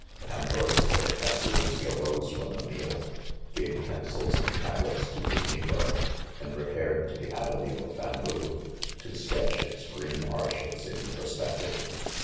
Ambrosio, as^soonas he arose from the meal, gave, pencils and tablets to his negro, and re paired to the. avenue of bamboo, to sketch its .green arches in perspective.